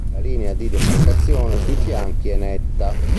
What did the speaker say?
La linea di demarcazione sui fianchi è netta.